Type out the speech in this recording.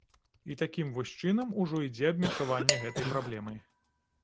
І такім вось чынам ужо ідзе абмеркаванне гэтай праблемы.